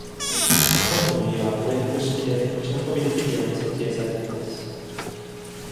ほとんどの家はプレハブ式で、持ち運びできるように設計されています。